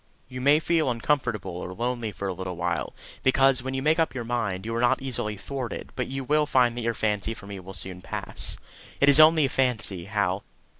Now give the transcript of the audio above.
You may feel uncomfortable or lonely for a little while, because, when you make up your mind, you are not easily thwarted; but you will find that your fancy for me will soon pass. It is only a fancy, Hal.